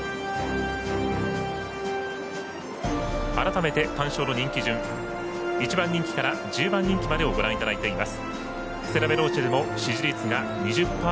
改めて単勝の人気順１番人気から１０番人気までをご覧いただいています。